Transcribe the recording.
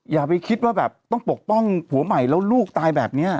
อย่าไปคิดว่าแบบต้องปกป้องผัวใหม่แล้วลูกตายแบบนี้